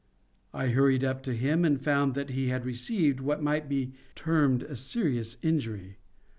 I hurried up to him and found that he had received what might be termed a serious injury.